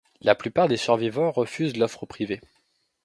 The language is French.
La plupart des survivants refusent l'offre privée.